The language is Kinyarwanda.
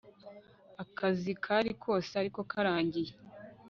Akazi kari kose ariko karangiye